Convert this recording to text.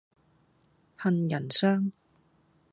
杏仁霜